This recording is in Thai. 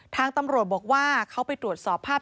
ทางตำรวจบอกว่าเขาไปตรวจสอบภาพ